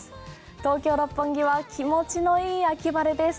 東京・六本木は気持ちの良い秋晴れです。